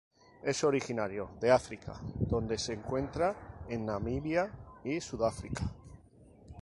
Es originario de África donde se encuentra en Namibia y Sudáfrica.